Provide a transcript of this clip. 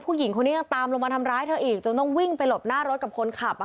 ผู้หญิงคนนี้ยังตามลงมาทำร้ายเธออีกจนต้องวิ่งไปหลบหน้ารถกับคนขับ